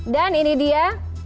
dan ini dia